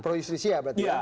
proistisya berarti ya